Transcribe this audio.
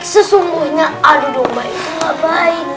sesungguhnya adu domba itu gak baik